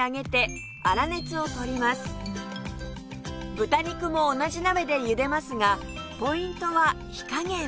豚肉も同じ鍋でゆでますがポイントは火加減